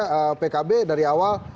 karena saya pikir dari awal